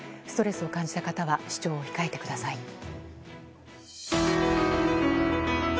ストレスを感じた方は視聴を控えてください。